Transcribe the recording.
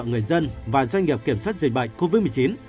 người dân và doanh nghiệp kiểm soát dịch bệnh covid một mươi chín